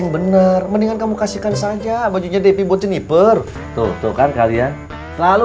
bener mendingan kamu kasihkan saja bajunya debbie buat jeniper tuh tuh kan kalian selalu